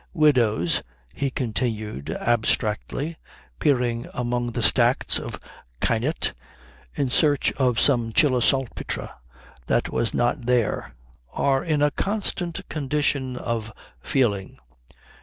Widows," he continued abstractedly, peering among the sacks of kainit in search of some Chilisaltpetre that was not there, "are in a constant condition of feeling."